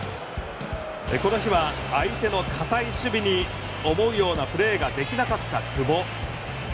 この日は相手の堅い守備に思うようなプレーができなかった久保。